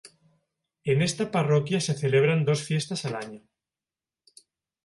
En esta parroquia se celebran dos fiestas al año.